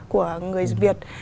của người việt